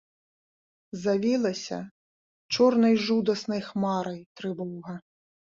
Завілася чорнай жудаснай хмарай трывога.